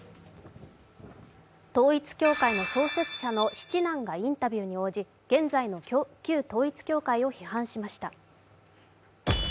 統一教会の創設者の７男がインタビューに応じ現在の旧統一教会を批判しました。